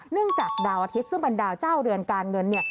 จากดาวอาทิตย์ซึ่งเป็นดาวเจ้าเรือนการเงินเนี่ย